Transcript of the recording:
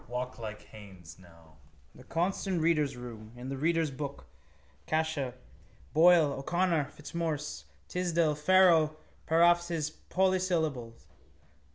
Walk like Haines now. The constant readers' room. In the readers' book Cashel Boyle O'Connor Fitzmaurice Tisdall Farrell parafes his polysyllables.